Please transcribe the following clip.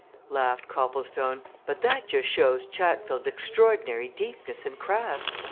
laughed Copplestone. "But that just shows Chatfield's extraordinary deepness and craft!